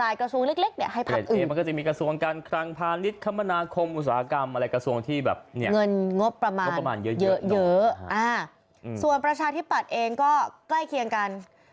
เยอะส่วนประชาที่ปัดเองก็ใกล้เคียงกัน